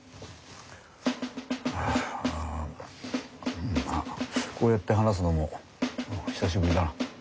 うんまあこうやって話すのもまあ久しぶりだな。